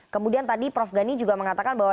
kemudian tadi prof gani juga mengatakan bahwa